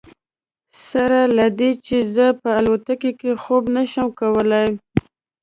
سره له دې چې زه په الوتکه کې خوب نه شم کولی.